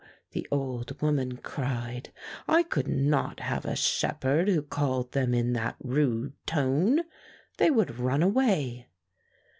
the old woman cried; "I could not have a shepherd who called them in that rude tone. They would run away."